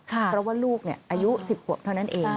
เพราะว่าลูกอายุ๑๐ขวบเท่านั้นเอง